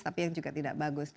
tapi yang juga tidak bagus